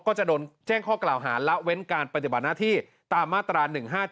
ก็จะโดนแจ้งข้อกล่าวหาละเว้นการปฏิบัติหน้าที่ตามมาตรา๑๕๗